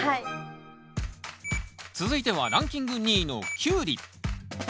続いてはランキング２位のキュウリ。